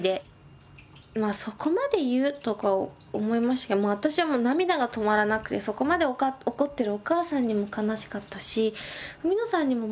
「そこまで言う？」とか思いましたけど私は涙が止まらなくてそこまで怒ってるお母さんにも悲しかったし文野さんにも申し訳なくて。